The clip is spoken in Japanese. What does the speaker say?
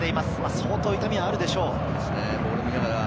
相当痛みがあったでしょう。